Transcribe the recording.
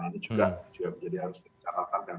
ini juga jadi harus dikatakan